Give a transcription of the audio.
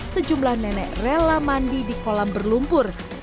sejumlah nenek rela mandi di kolam berlumpur